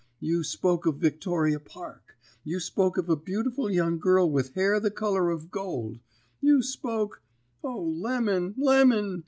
You spoke of Victoria Park; you spoke of a beautiful young girl with hair the colour of gold; you spoke O, Lemon, Lemon!